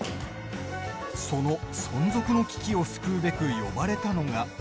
その存続の危機を救うべく呼ばれたのが。